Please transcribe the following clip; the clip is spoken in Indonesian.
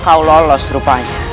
kau lolos rupanya